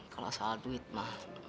kalau soal duit ma